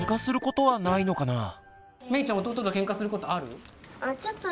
めいちゃん弟とケンカすることある？